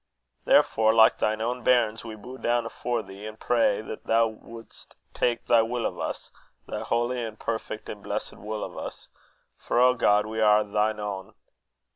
Therefore, like thine own bairns, we boo doon afore thee, an' pray that thou wouldst tak' thy wull o' us, thy holy an' perfect an' blessed wull o' us; for, O God, we are a' thine ain.